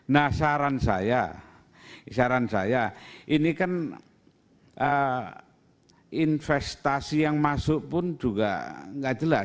nah saran saya saran saya ini kan investasi yang masuk pun juga nggak jelas